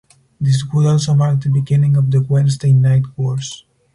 This would also mark the beginning of the "Wednesday Night Wars".